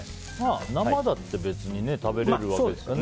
生だって別に食べれるわけですからね。